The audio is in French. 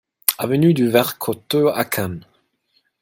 Avenue du Vert Coteau à Cannes